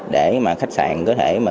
để mà khách sạn có thể mà